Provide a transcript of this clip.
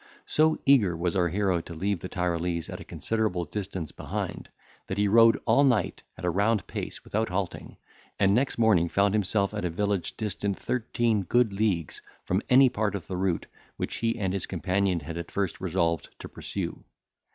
So eager was our hero to leave the Tyrolese at a considerable distance behind, that he rode all night at a round pace without halting, and next morning found himself at a village distant thirteen good leagues from any part of the route which he and his companion had at first resolved to pursue.